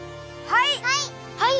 はい！